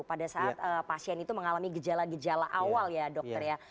pada saat pasien itu mengalami gejala gejala awal ya dokter ya